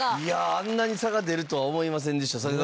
いやあんなに差が出るとは思いませんでした。